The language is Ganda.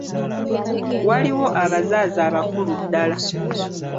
Waliwo abazaazi abakulu ddala.